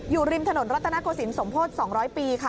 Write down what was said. อยู่ริมถนนรัฐนาโกสินสมโพธิ์สองร้อยปีค่ะ